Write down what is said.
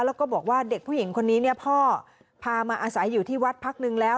แล้วก็บอกว่าเด็กผู้หญิงคนนี้เนี่ยพ่อพามาอาศัยอยู่ที่วัดพักนึงแล้ว